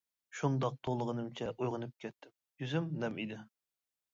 شۇنداق توۋلىغىنىمچە ئويغىنىپ كەتتىم، يۈزۈم نەم ئىدى.